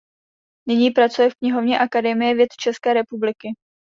Nyní pracuje v knihovně Akademie věd České republiky.